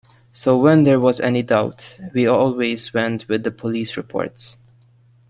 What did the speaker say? So when there was any doubt we always went with the police reports.